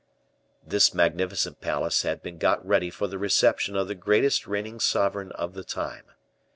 This magnificent palace had been got ready for the reception of the greatest reigning sovereign of the time.